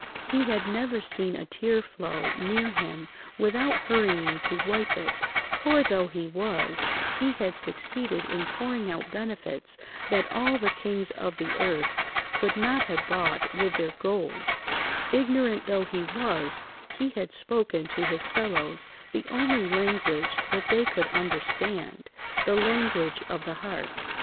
He had never seen a tear flow near him without hurrying to wipe it; poor though he was, he had succeeded in pouring out benefits that all the kings of the earth could not have bought with their gold; ignorant though he was, he had spoken to his fellows the only language that they could understand, the language of the heart.